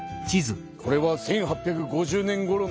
これは１８５０年ごろの日本。